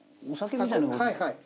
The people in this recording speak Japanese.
はいはい。